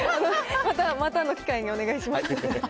また、またの機会にお願いします。